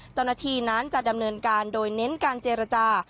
เจ้าหน้าที่นั้นจะดำเนินการโดยเน้นการเจรจา